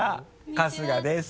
春日です。